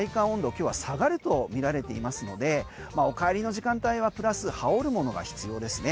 今日は下がるとみられていますのでお帰りの時間帯はプラス羽織るものが必要ですね。